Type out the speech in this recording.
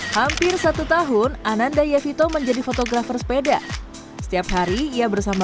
hampir satu tahun ananda yevito menjadi fotografer sepeda setiap hari ia bersama